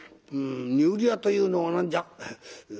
「うん煮売り屋というのは何じゃ？」。